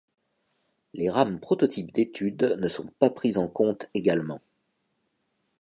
Les rames prototypes d'études ne sont pas prises en compte également.